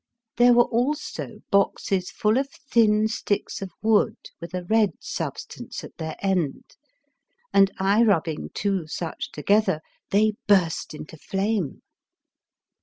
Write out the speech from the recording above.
There were also boxes full of thin sticks of wood with a red substance at their end, and I rubbing two such together, they burst into flame.